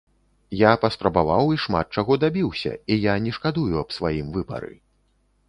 Я паспрабаваў і шмат чаго дабіўся, і я не шкадую аб сваім выбары.